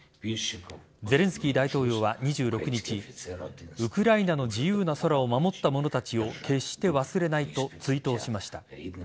ゼレンスキー大統領は２６日ウクライナの自由な空を守った者たちを決して忘れないと追悼しました。